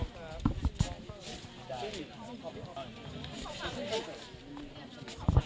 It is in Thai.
พี่อ๊อฟตรงนี้ต่อนะคะ